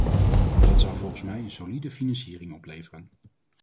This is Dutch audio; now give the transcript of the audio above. Dat zou volgens mij een solide financiering opleveren.